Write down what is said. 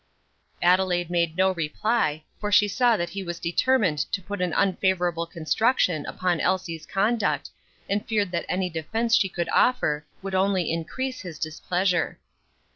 Adelaide made no reply, for she saw that he was determined to put an unfavorable construction upon Elsie's conduct, and feared that any defence she could offer would only increase his displeasure.